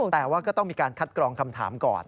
แต่ว่าก็ต้องมีการคัดกรองคำถามก่อน